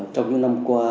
trong những năm qua